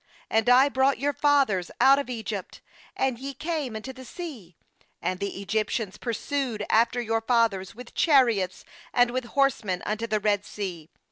I brought your fathers out of and ye came unto the sea; an< Egyptians pursued after your fathers with chariots and with horsemen unto the Red Sea.